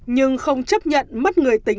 nhưng không chấp nhận mất người tình